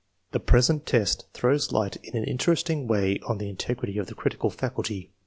The present test throws light in an interesting way on the integrity of the critical faculty.